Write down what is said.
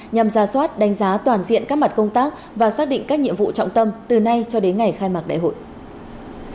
nhằm ra soát đánh giá toàn diện các mặt công tác và xác định các nhiệm vụ trọng tâm từ nay cho đến ngày khai mạc đại hội